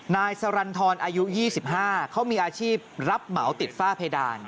นายสรรทรอายุ๒๕เขามีอาชีพรับเหมาติดฝ้าเพดาน